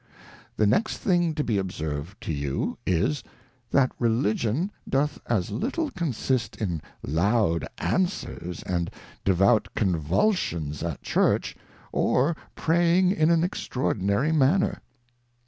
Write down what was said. The next thing to be observed to you, is. That Religion doth as little consist in loud Answers and devout Convulsions at Church, or Praying in an extraordinary manner.